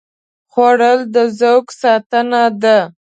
خوړل د ذوق ساتنه ده